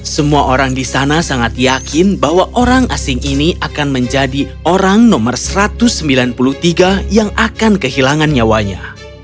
semua orang di sana sangat yakin bahwa orang asing ini akan menjadi orang nomor satu ratus sembilan puluh tiga yang akan kehilangan nyawanya